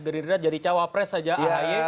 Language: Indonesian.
gerindra jadi cawapres saja ahy